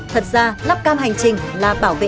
thật ra lắp cam hành trình là bảo vệ